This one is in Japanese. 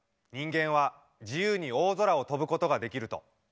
人間は自由に大空を飛ぶことができると。